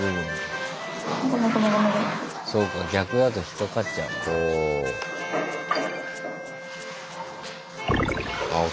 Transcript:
そうか逆だとひっかかっちゃうのか。